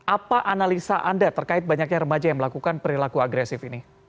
apa analisa anda terkait banyaknya remaja yang melakukan perilaku agresif ini